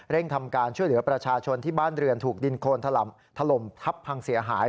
ทำการช่วยเหลือประชาชนที่บ้านเรือนถูกดินโคนถล่มทับพังเสียหาย